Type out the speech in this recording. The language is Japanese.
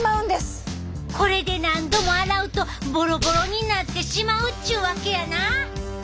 これで何度も洗うとぼろぼろになってしまうっちゅうわけやな。